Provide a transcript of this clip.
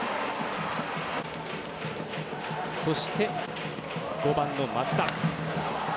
そして、５番の松田。